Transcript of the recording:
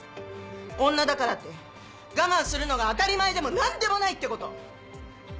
女だからって我慢するのが当たり前でも何でもないってこと。